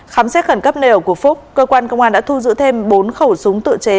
khám xét khẩn cấp nơi ở của phúc cơ quan công an đã thu giữ thêm bốn khẩu súng tự chế